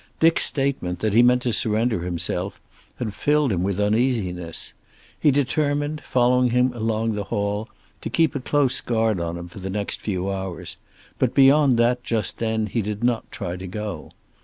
Dick's statement, that he meant to surrender himself, had filled him with uneasiness. He determined, following him along the hall, to keep a close guard on him for the next few hours, but beyond that, just then, he did not try to go.